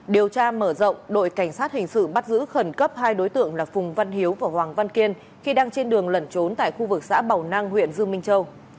điều tra mở rộng đội cảnh sát hình sự bắt giữ khẩn cấp hai đối tượng là phùng văn hiếu và hoàng văn kiên khi đang trên đường lẩn trốn tại khu vực xã bào nang huyện dương minh châu